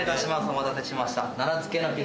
お待たせしました。